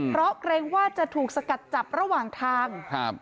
เพราะเกรงว่าจะถูกสกัดจับระหว่างทางครับ